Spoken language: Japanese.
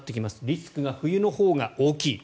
リスクが冬のほうが大きい。